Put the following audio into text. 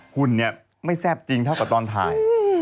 หุ่นเนี่ยไม่แซ่บจริงเท่ากับตอนถ่าย